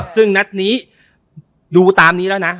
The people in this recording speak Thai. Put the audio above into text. ซึ่งนัดนี้ดูตามนี้แล้วนะ